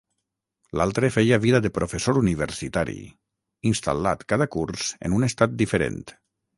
L'altre feia vida de professor universitari, instal·lat cada curs en un estat diferent.